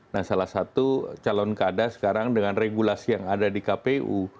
nah salah satu calon kada sekarang dengan regulasi yang ada di kpu